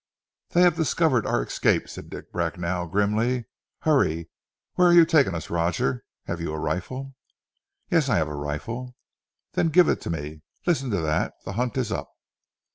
"They have discovered our escape," said Dick Bracknell grimly. "Hurry! where are you taking us, Roger? Have you a rifle?" "Yes! I have a rifle " "Then give it me. Listen to that! The hunt is up.